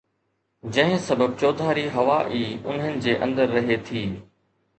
جنهن سبب چوڌاري هوا ئي انهن جي اندر رهي ٿي